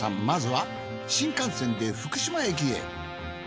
まずは新幹線で福島駅へ。